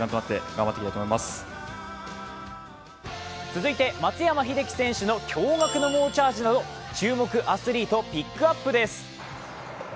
続いて、松山英樹選手の驚がくの猛チャージなど注目アスリートピックアップです。